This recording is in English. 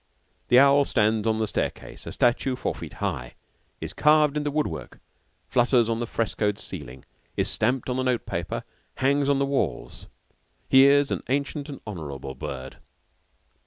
The owl stands on the staircase, a statue four feet high; is carved in the wood work, flutters on the frescoed ceiling, is stamped on the note paper, and hangs on the walls. He is an ancient and honorable bird.